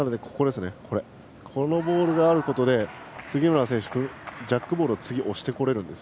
このボールがあることで杉村選手はジャックボールを次押してこれるんです。